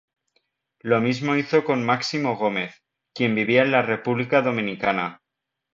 Lo mismo hizo con Máximo Gómez, quien vivía en la República Dominicana.